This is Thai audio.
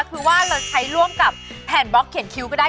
คือว่าเราใช้ร่วมกับแผ่นบล็อกเขียนคิ้วก็ได้